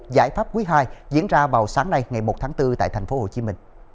giải pháp quý ii diễn ra vào sáng nay ngày một tháng bốn tại tp hcm